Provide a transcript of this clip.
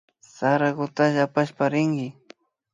Sarakutalla apashpa rinki